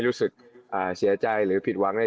รู้สึกเสียใจหรือผิดวังใน